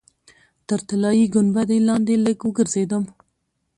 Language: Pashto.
تر طلایي ګنبدې لاندې لږ وګرځېدم.